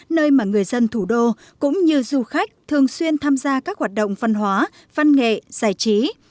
nơi mà người dân thủ đô cũng như du khách thường xuyên tham gia các hoạt động văn hóa văn nghệ giải trí